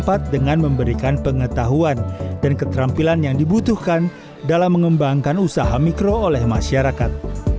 pengembangan usaha mikro oleh masyarakat